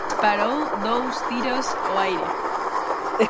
Disparou dous tiros ao aire.